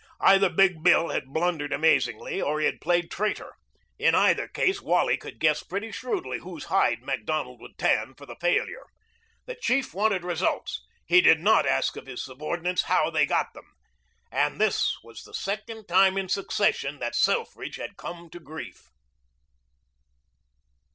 Either Big Bill had blundered amazingly, or he had played traitor. In either case Wally could guess pretty shrewdly whose hide Macdonald would tan for the failure. The chief wanted results. He did not ask of his subordinates how they got them. And this was the second time in succession that Selfridge had come to grief.